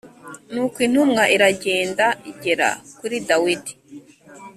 Nuko intumwa iragenda igera kuri Dawidi